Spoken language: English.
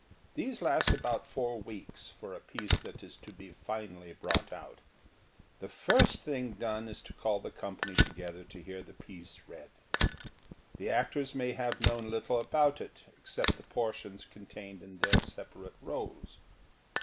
These last about four weeks for a piece that is to be finely brought out. The first thing done is to call the company to gether to hear the piece read. The actors may have known little about it except the portions contained in their separate roles.